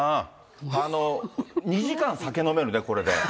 ２時間酒飲めるね、これで。